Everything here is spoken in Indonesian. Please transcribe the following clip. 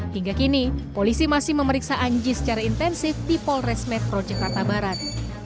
hingga kini polisi masih memeriksa anji secara intensif di polres metro jakarta barat